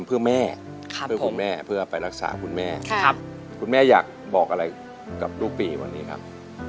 เพื่อแม่เพื่อคุณแม่เพื่อไปรักษาคุณแม่คุณแม่อยากบอกอะไรกับลูกปีวันนี้ครับ